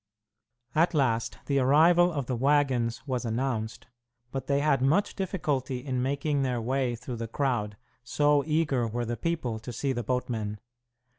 At last, the arrival of the wagons was announced, but they had much difficulty in making their way through the crowd, so eager were the people to see the boatmen.